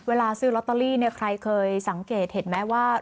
เวลาซื้อลอตเตอรี่เนี่ยใครเคยสังเกตเห็นไหมว่า